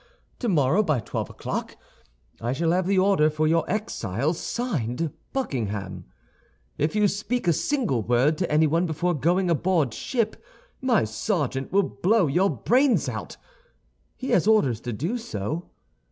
Tomorrow, by twelve o'clock, I shall have the order for your exile, signed, Buckingham. If you speak a single word to anyone before going aboard ship, my sergeant will blow your brains out. He has orders to do so.